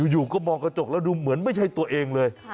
อยู่ก็มองกระจกแล้วดูเหมือนไม่ใช่ตัวเองเลย